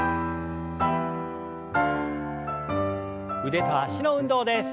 腕と脚の運動です。